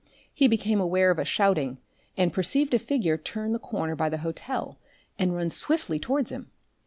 He became aware of a shouting, and perceived a figure turn the corner by the hotel and run swiftly towards him.